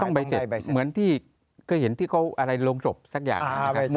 ต้องไปเศตเหมือนที่เคยเห็นที่เขาอะไรโรงสรุปสักอย่าง